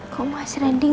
kok masih rending